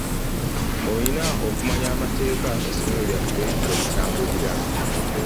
Olina okumanya amateeka esomero lyaffe kwe litambulira.